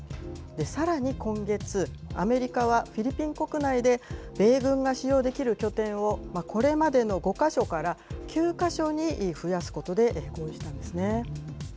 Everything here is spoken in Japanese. さらに今月、アメリカはフィリピン国内で米軍が使用できる拠点を、これまでの５か所から９か所に増やすことで合意したんですね。